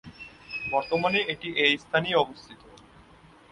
বর্তমানে এটি এ স্থানেই অবস্থিত।